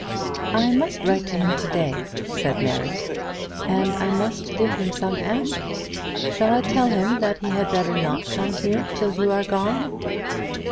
"I must write to him to day," said Mary, "and I must give him some answer. Shall I tell him that he had better not come here till you are gone?"